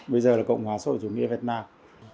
bây giờ là cộng hòa sổ chủ nghĩa việt nam